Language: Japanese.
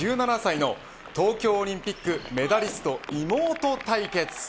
１７歳の東京オリンピックメダリスト妹対決。